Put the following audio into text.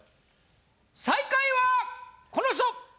最下位はこの人！